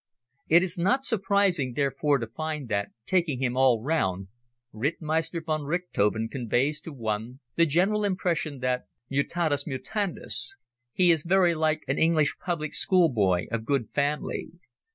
It is not surprising therefore to find that, taking him all round, Rittmeister von Richthofen conveys to one the general impression that, mutatis mutandis, he is very like an English public school boy of good family.